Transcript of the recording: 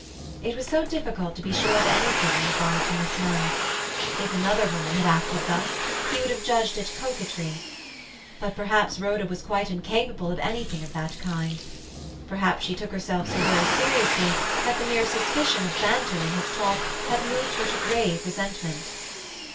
It was so difficult to be sure of anything in regard to Miss Nunn. If another woman had acted thus he would have judged it coquetry. But perhaps Rhoda was quite incapable of anything of that kind. Perhaps she took herself so very seriously that the mere suspicion of banter in his talk had moved her to grave resentment.